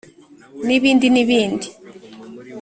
n’ibindi n’ibindi: